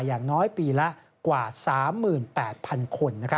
อย่างน้อยปีละกว่า๓๘๐๐๐คน